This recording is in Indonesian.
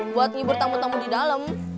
buat ngibur tamu tamu di dalem